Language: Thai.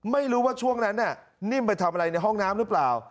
ไม่รู้ว่าช่วงนั้นนิ่มไปทำอะไรในห้องน้ำหรือเปล่า